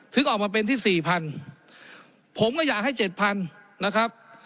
ออกมาเป็นที่สี่พันผมก็อยากให้เจ็ดพันนะครับ